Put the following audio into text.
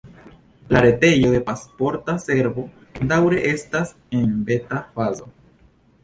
La retejo de Pasporta Servo daŭre estas en beta-fazo.